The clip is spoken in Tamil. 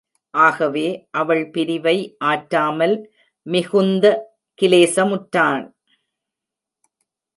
ஆகவே, அவள் பிரிவை ஆற்றமல் மிகுந்த கிலேசமுற்றான்.